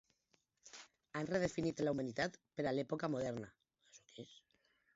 Han redefinit la humanitat per a l'època moderna.